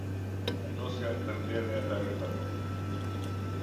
Vendosja dhe mbledhja e tarifave.